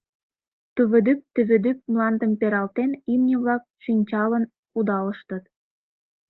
Тӱвӱдӱп-тӱвӱдӱп мландым пералтен, имне-влак шинчалын кудалыштыт.